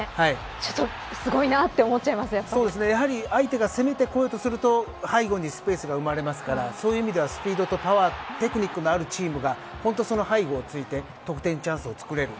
ちょっとやはり相手が攻めてこようとすると背後にスペースが生まれますからそういう意味ではスピードとパワーテクニックのあるチームがその背後を突いて得点のチャンスをつくれる。